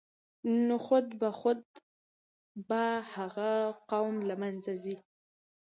نو خود به خود به هغه قوم له منځه ځي.